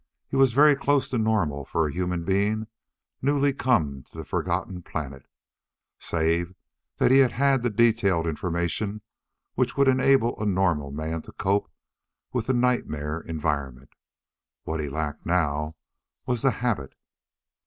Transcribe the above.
He was very close to normal for a human being newly come to the forgotten planet, save that he had the detailed information which would enable a normal man to cope with the nightmare environment. What he lacked now was the habit.